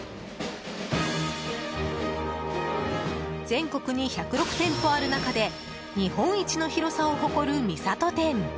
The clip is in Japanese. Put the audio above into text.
全国に１０６店舗ある中で日本一の広さを誇る三郷店！